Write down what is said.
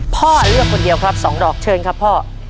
พ่อเลือกคนเดียวครับ๒ดอกเชิญครับพ่อ